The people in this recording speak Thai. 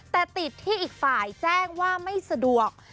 แต่ติดที่อีกฝ่ายแจ้งว่าไม่สะดวก